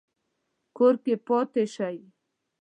کور کې پاتې شئ